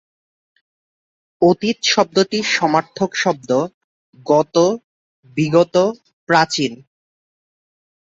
অতীত শব্দটির সমার্থক শব্দ গত, বিগত, প্রাচীন।